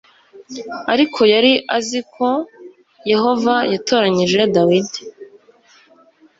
Ariko yari azi koYehova yatoranyije Dawidi